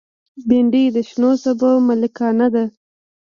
بېنډۍ د شنو سابو ملکانه ده